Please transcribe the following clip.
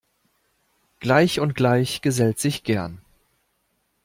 Gleich und Gleich gesellt sich gern.